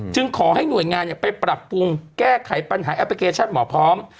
ขอให้หน่วยงานไปปรับปรุงแก้ไขปัญหาแอปพลิเคชันหมอพร้อม